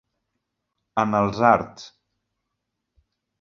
En els arts.